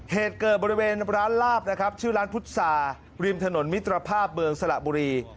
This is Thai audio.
เหตุเกิดบริเวณร้านลาบนะครับชื่อร้านพุทธศาริมถนนมิตรภาพเมืองสระบุรี